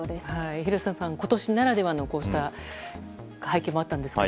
廣瀬さん、今年ならではのこうした背景もあったんですが。